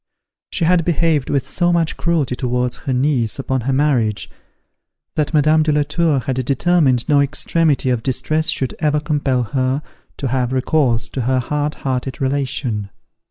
She had behaved with so much cruelty towards her niece upon her marriage, that Madame de la Tour had determined no extremity of distress should ever compel her to have recourse to her hard hearted relation.